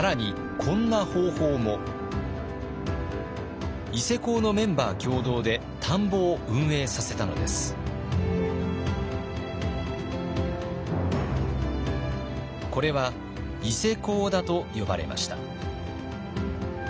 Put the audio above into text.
これは伊勢講田と呼ばれました。